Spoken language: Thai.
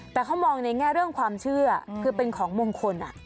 แต่เขามองในแง่เรื่องความเชื่อคือเป็นของมงคล